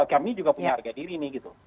kami juga punya harga diri nih gitu